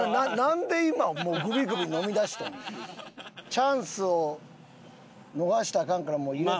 チャンスを逃したらアカンからもう入れて。